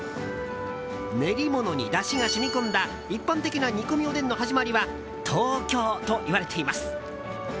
練り物に、だしが染み込んだ一般的な煮込みおでんの始まりは東京といわれています。